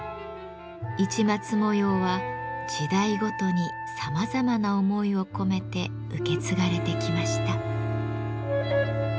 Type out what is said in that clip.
市松模様は時代ごとにさまざまな思いを込めて受け継がれてきました。